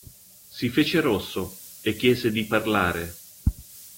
Si fece rosso e chiese di parlare.